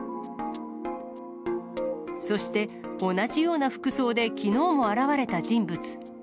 そして同じような服装できのうも現れた人物。